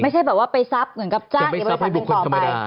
ไม่ใช่แบบว่าไปซับเหมือนกับจ้างจะไปซับให้บุคคลธรรมดา